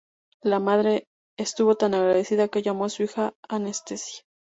La madre estuvo tan agradecida que llamó a su hija "Anestesia".